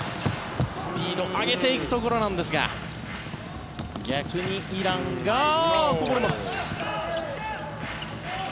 スピードを上げていくところなんですが逆にイランがこぼれます。